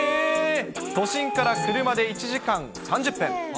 都心から車で１時間３０分。